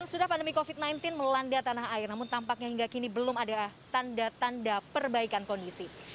sudah pandemi covid sembilan belas melanda tanah air namun tampaknya hingga kini belum ada tanda tanda perbaikan kondisi